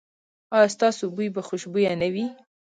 ایا ستاسو بوی به خوشبويه نه وي؟